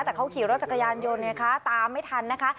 แต่เขาขี่รถจักรยานยนต์ไงคะตามไม่ทันนะคะ